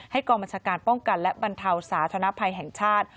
กองบัญชาการป้องกันและบรรเทาสาธนภัยแห่งชาติ